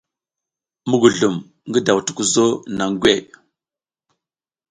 Mugulum ngi daw tukuzo naŋ gwe.